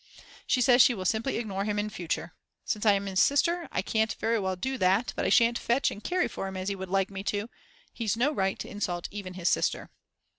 She says she will simply ignore him in future. Since I am his sister I can't very well do that, but I shan't fetch and carry for him as he would like me to. He's no right to insult even his sister.